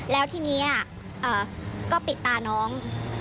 แล้วทีนี้ก็ปิดตาน้อง